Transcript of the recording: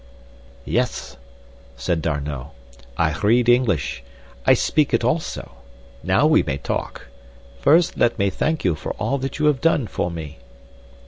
"Yes," said D'Arnot, "I read English. I speak it also. Now we may talk. First let me thank you for all that you have done for me."